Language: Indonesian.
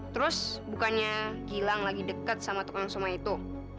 terus bukannya gilang lagi dekat sama tukang soma itu